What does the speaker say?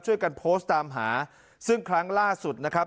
ช่วยกันโพสต์ตามหาซึ่งครั้งล่าสุดนะครับ